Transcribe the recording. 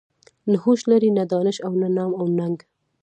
نه هوش لري نه دانش او نه نام و ننګ.